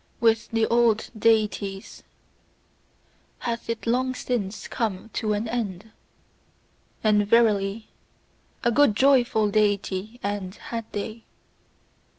With the old Deities hath it long since come to an end: and verily, a good joyful Deity end had they!